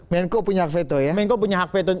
menko punya hak veto ya menko punya hak veto